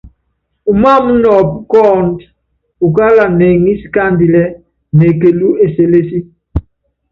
Umááma nɔɔpú kɔ́ɔ́ndú, ukála neŋísi káandilɛ́ nekelú eselési.